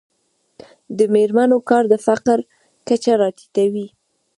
د میرمنو کار د فقر کچه راټیټوي.